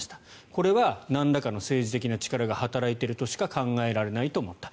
これはなんらかの政治的な力が働いているとしか考えられないと思った。